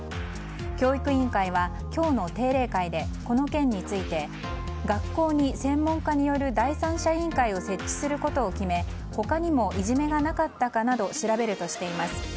教育委員会は、今日の定例会でこの件について学校に専門家による第三者委員会を設置することを決め他にもいじめがなかったかなど調べるとしています。